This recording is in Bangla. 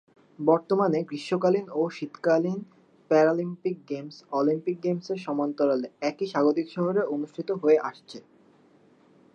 বর্তমানে গ্রীষ্মকালীন ও শীতকালীন প্যারালিম্পিক গেমস, অলিম্পিক গেমসের সমান্তরালে একই স্বাগতিক শহরে অনুষ্ঠিত হয়ে আসছে।